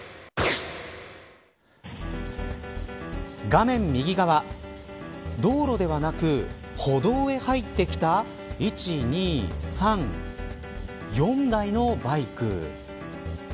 画面右側道路ではなく歩道へ入ってきた１、２、３４台のバイク。